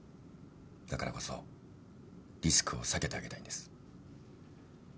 だからこそリスクを避けてあげたいんです。